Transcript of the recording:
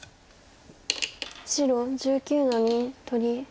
白１９の二取り。